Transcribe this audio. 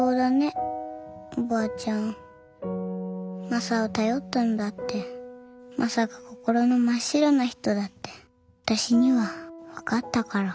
マサを頼ったのだってマサが心の真っ白な人だって私には分かったから。